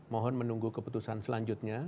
mohon menunggu keputusan selanjutnya